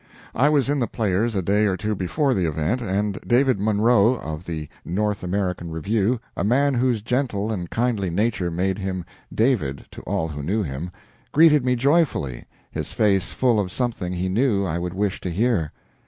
I was in the Players a day or two before the event, and David Munro, of "The North American Review," a man whose gentle and kindly nature made him "David" to all who knew him, greeted me joyfully, his face full of something he knew I would wish to hear.